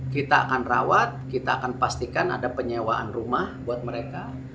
kita akan rawat kita akan pastikan ada penyewaan rumah buat mereka